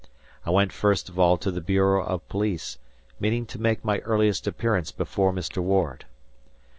I went first of all to the bureau of police, meaning to make my earliest appearance before Mr. Ward.